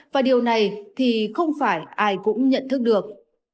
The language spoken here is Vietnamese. và điều này thì không phải ai cũng nhận thức được